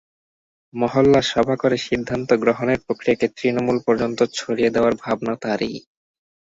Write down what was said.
মহল্লা সভা করে সিদ্ধান্ত গ্রহণের প্রক্রিয়াকে তৃণমূল পর্যন্ত ছড়িয়ে দেওয়ার ভাবনা তাঁরই।